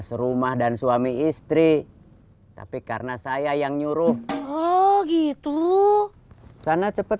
serumah dan suami istri tapi karena saya yang nyuruh gitu sana cepat